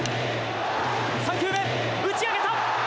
３球で、打ち上げた！